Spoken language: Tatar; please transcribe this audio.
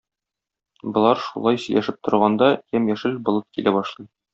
Болар шулай сөйләшеп торганда, ямь-яшел болыт килә башлый.